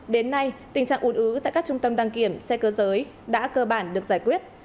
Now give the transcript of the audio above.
đến nay tình trạng ủn ứ tại các trung tâm đăng kiểm xe cơ giới đã cơ bản được giải quyết